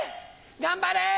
頑張れ！